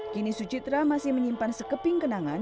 kini suci terabar masih menyimpan sekeping kenangan